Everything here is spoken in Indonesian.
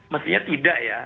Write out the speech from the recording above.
maksudnya tidak ya